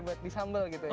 buat di sambal gitu ya